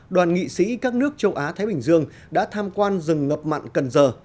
đoàn nghị sĩ các nước châu á thái bình dương đã tham quan rừng ngập mặn cần giờ